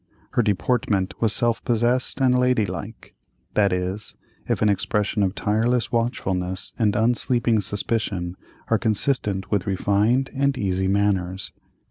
Her deportment was self possessed and lady like, that is, if an expression of tireless watchfulness and unsleeping suspicion are consistent with refined and easy manners.